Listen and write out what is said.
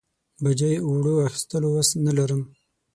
بوجۍ اوړو اخستلو وس نه لرم.